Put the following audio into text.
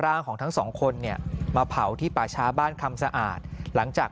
ร่างของทั้งสองคนเนี่ยมาเผาที่ป่าช้าบ้านคำสะอาดหลังจาก